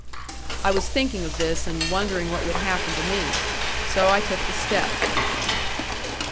I was thinking of this and wondering what would happen to me. So I took the step.